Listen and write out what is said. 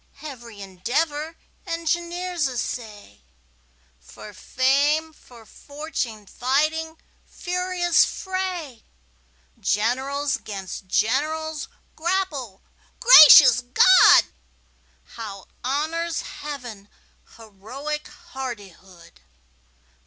Every endeavor engineers essay, For fame, for fortune fighting furious fray! Generals 'gainst generals grapple gracious God! How honors Heaven heroic hardihood!